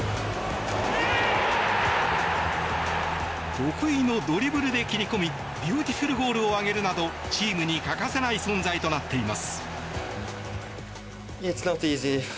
得意のドリブルで切り込みビューティフルゴールを挙げるなどチームに欠かせない存在となっています。